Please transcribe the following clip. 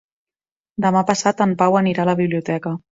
Demà passat en Pau anirà a la biblioteca.